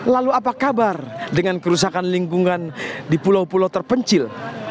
lalu apa kabar dengan kerusakan lingkungan di pulau pulau terpencil